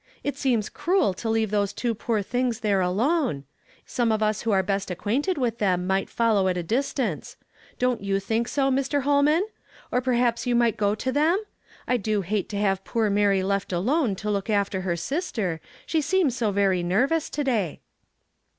It seems cruel to leave those two poor things there alone. Some of us wlio ai e best accpiaiiited with them might follow at a distance. Don't you think so, Mr. Ilolman? Or perhaps yen might go to them? I do hate to have poor :Mary left alone to look after her sister, she seems so very Jiervous to day."